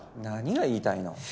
何が言いたいの？